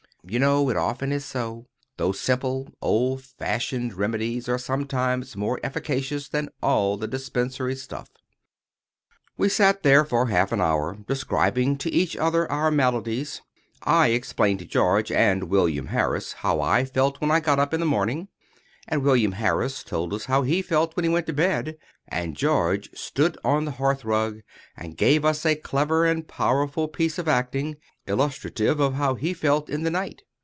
You know, it often is so—those simple, old fashioned remedies are sometimes more efficacious than all the dispensary stuff. We sat there for half an hour, describing to each other our maladies. I explained to George and William Harris how I felt when I got up in the morning, and William Harris told us how he felt when he went to bed; and George stood on the hearth rug, and gave us a clever and powerful piece of acting, illustrative of how he felt in the night.